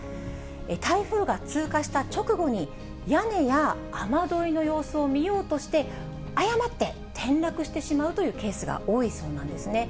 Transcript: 台風が通過した直後に、屋根や雨どいの様子を見ようとして、誤って転落してしまうというケースが多いそうなんですね。